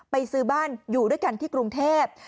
ซื้อบ้านอยู่ด้วยกันที่กรุงเทพ